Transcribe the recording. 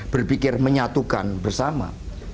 berpikir menyatukan bersama